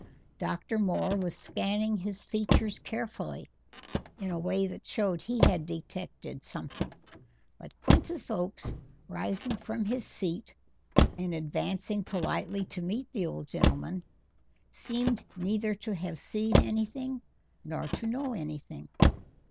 Dr. Moore was scanning his features carefully in a way that showed he had detected something, but Quintus Oakes, rising from his seat and advancing politely to meet the old gentleman, seemed neither to have seen anything nor to know anything.